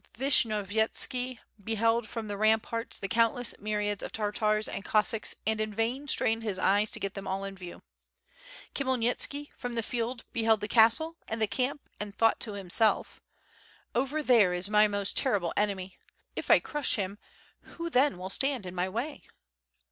Vish nyovyetski beheld from the ramparts the countless myriads of Tartars and Cossacks and in vain strained his eyes to get them all in view. Khmyelnitski from the field beheld the castle and the camp and thought to himself: "Over there is my most terrible enemy. If I crush him, who then will stand in my way?"